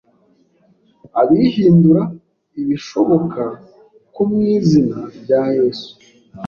abihindura ibishoboka ko mu izina rya Yesu,